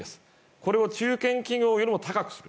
これを中堅企業よりも高くする。